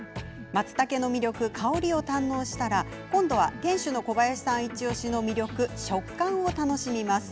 まつたけの魅力、香りを堪能したら今度は店主の小林さんイチおしの魅力食感を楽しみます。